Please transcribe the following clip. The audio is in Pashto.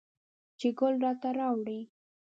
چې ګل راته راوړي